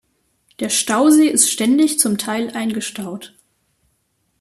Der Stausee ist ständig zum Teil eingestaut.